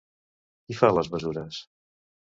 Qui fa les mesures?